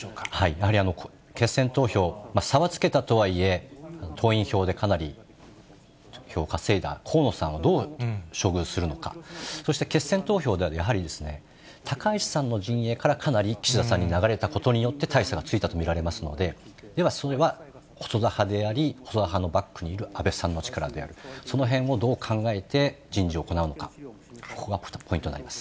やはり決選投票、差はつけたとはいえ、党員票でかなり票を稼いだ河野さんをどう処遇するのか、そして、決選投票ではやはり、高市さんの陣営からかなり岸田さんに流れたことによって大差がついたと見られますので、それは細田派であり、細田派のバックにいる安倍さんの力である、そのへんをどう考えて人事を行うのか、ここがポイントになります。